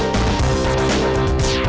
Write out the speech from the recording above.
nggak akan ngediam nih